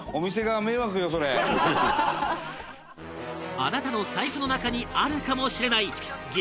あなたの財布の中にあるかもしれない激